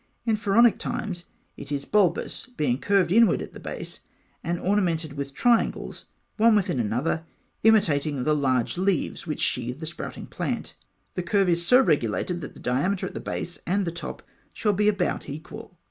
In Pharaonic times, it is bulbous, being curved inward at the base, and ornamented with triangles one within another, imitating the large leaves which sheathe the sprouting plant. The curve is so regulated that the diameter at the base and the top shall be about equal.